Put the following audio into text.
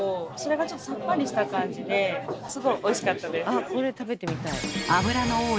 あっこれ食べてみたい。